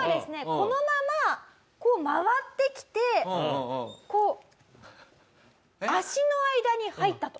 このままこう周ってきてこう足の間に入ったと。